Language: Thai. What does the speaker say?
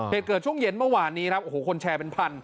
เหตุเกิดช่วงเย็นเมื่อวานนี้ครับโอ้โหคนแชร์เป็นพัน